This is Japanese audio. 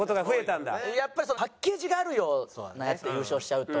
やっぱりパッケージがあるようなやつで優勝しちゃうと。